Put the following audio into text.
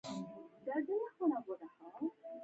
له نژدې او ليري ټولو خلکو سره ښه چلند کوئ!